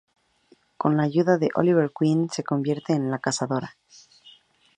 Con la ayuda de Oliver Queen se convierte en "La Cazadora".